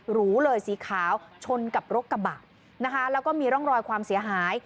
หรูเลยสีขาวชนกับรถกระบะนะคะแล้วก็มีร่องรอยความเสียหาย